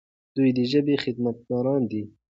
دوی د ژبې خدمتګاران دي.